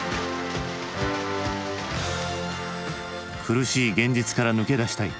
苦しい現実から抜け出したい。